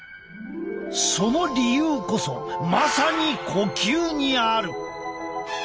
その理由こそまさに呼吸にある。